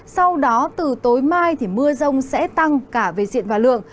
sau đó từ tối mai thì mưa rông sẽ tăng cả về diện và lượng